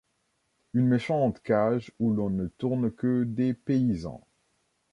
Une méchante cage où l’on ne tourne que des paysans.